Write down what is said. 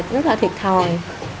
rất là thiệt thòi